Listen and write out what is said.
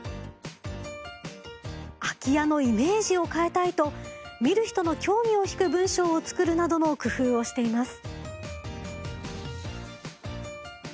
空き家のイメージを変えたいと見る人の興味を引く文章を作るなどの工夫をしています。